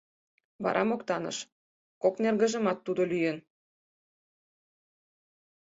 Вара моктаныш: кок нергыжымат тудо лӱен!